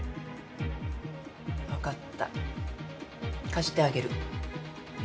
わかった貸してあげる。